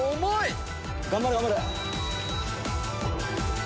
頑張れ頑張れ！